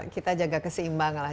kita jaga keseimbang lah